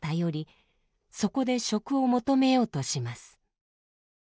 そこで職を求めようとします。